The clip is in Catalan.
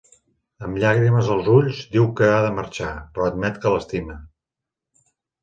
Amb llàgrimes als ulls diu que ha de marxar, però admet que l'estima.